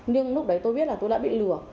nhưng lúc đấy tôi biết là tôi đã bị lừa